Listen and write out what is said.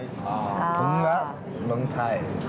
ผมรักเมืองไทย